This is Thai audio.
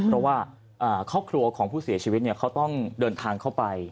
เพราะว่าครอบครัวของผู้เสียชีวิตเขาต้องเดินทางเข้าไป